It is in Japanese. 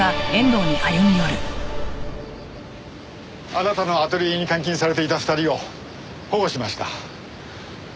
あなたのアトリエに監禁されていた２人を保護しました。